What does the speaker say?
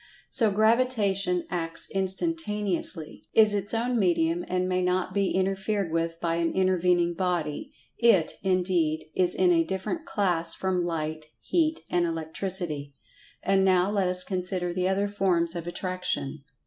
So Gravitation acts instantaneously; is its own medium, and may not be interfered with by an intervening body. It, indeed, is in a different "class" from Light, Heat and Electricity. And now let us consider the other forms of Attraction.